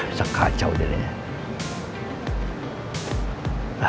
bisa kacau dirinya